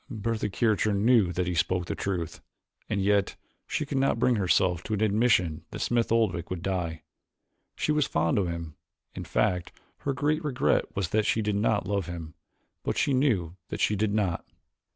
Bertha Kircher knew that he spoke the truth, and yet she could not bring herself to an admission that Smith Oldwick would die. She was very fond of him, in fact her great regret was that she did not love him, but she knew that she did not.